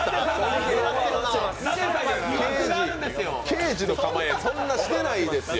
刑事の構え、そんなしてないですよ